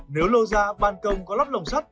nếu lô ra bàn công có lắp lồng sắt